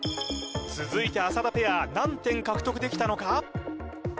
続いて浅田ペア何点獲得できたのか？